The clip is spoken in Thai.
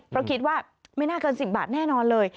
เพราะคิดว่าไม่น่าเกิน๑๐บาทแน่นอนเลย